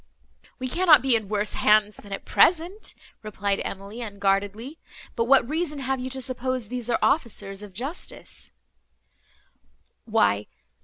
"We cannot be in worse hands than at present," replied Emily, unguardedly; "but what reason have you to suppose these are officers of justice?"